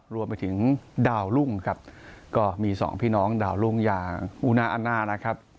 รวมไปถึงดาวรุ่งครับก็มีสองพี่น้องดาวรุ่งยาอูนาอันน่านะครับ